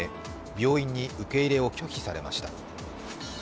病院に受け入れを拒否されました。